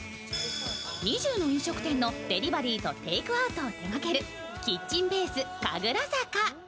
２０の飲食店のデリバリーとテイクアウトを手がけるキッチンベース神楽坂。